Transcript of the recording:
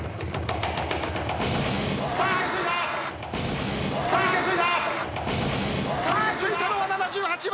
さあついたのは７８番！